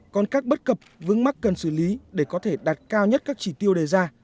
còn các bất cập vướng mắc cần xử lý để có thể đạt cao nhất các chỉ tiêu đề ra